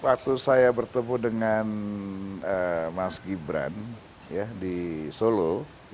waktu saya bertemu dengan mas gibran di solo